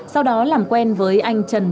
sau đó làm quen với anh trần vĩnh